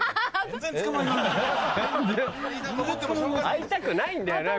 会いたくないんだよな。